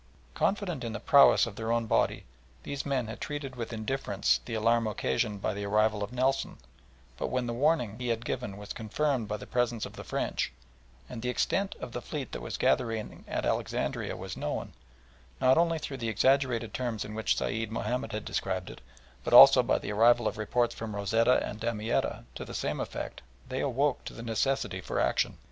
Confident in the prowess of their own body, these men had treated with indifference the alarm occasioned by the arrival of Nelson, but when the warning he had given was confirmed by the presence of the French, and the extent of the fleet that was gathering at Alexandria was known, not only through the exaggerated terms in which Sayed Mahomed had described it, but also by the arrival of reports from Rosetta and Damietta to the same effect, they awoke to the necessity for action.